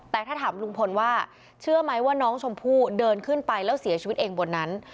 แต่ถ้าถามลุงพลว่าเชื่อไหมว่าน้องชมพู่เดินขึ้นไปแล้วเสียชีวิตเองบนนั้น